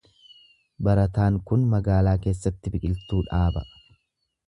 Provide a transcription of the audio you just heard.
Barataan kun magaalaa keessatti biqiltuu dhaaba.